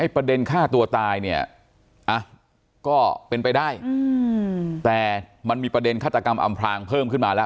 ประเด็นฆ่าตัวตายเนี่ยก็เป็นไปได้แต่มันมีประเด็นฆาตกรรมอำพลางเพิ่มขึ้นมาแล้ว